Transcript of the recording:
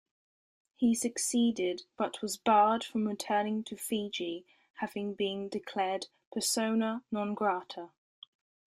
He succeeded but was barred from returning to Fiji, having been declared persona non-grata.